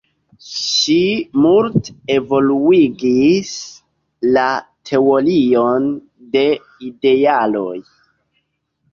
Ŝi multe evoluigis la teorion de idealoj.